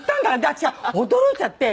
私驚いちゃって。